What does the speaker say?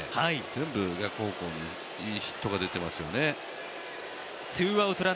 全部逆方向にいいヒットが出ていますよね。